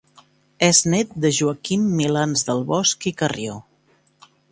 És nét de Joaquim Milans del Bosch i Carrió.